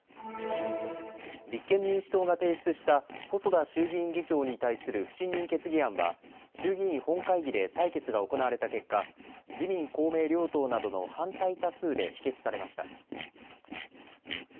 立憲民主党が提出した細田衆議院議長に対する不信任決議案は衆議院本会議で採決が行われた結果、自民公明両党などの反対多数で否決されました。